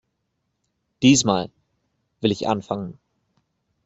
Diesmal will ich anfangen.